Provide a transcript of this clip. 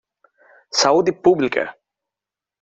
Saúde pública.